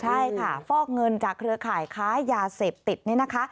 ใช่ค่ะฟอกเงินจากเครือข่ายค้ายาเสพติดนี่นะคะ